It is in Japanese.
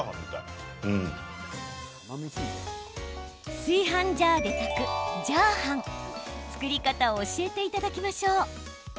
炊飯ジャーで炊くジャーハン作り方を教えていただきましょう。